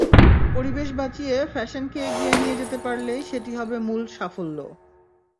পরিবেশ বাঁচিয়ে ফ্যাশনকে এগিয়ে নিয়ে যেতে পারলেই সেটি হবে মূল সাফল্য।